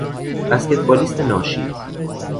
بسکتبالیست ناشی